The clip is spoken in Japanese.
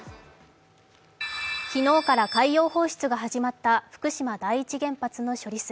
昨日から海洋放出が始まった福島第一原発の処理水。